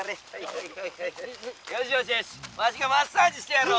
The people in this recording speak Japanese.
よしよしよしワシがマッサージしてやろう」。